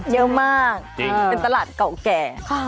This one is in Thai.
เยอะมากเป็นตลาดเก่าแก่